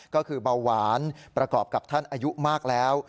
ก็คือเบาหวานประกอบกับท่านอายุมากแล้ว